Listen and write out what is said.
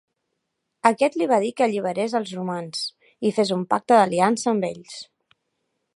Aquest li va dir que alliberés els romans i fes un pacte d'aliança amb ells.